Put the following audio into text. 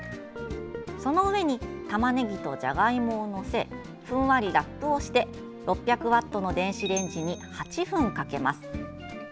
その上にたまねぎとじゃがいもを載せふんわりラップをして６００ワットの電子レンジに８分かけます。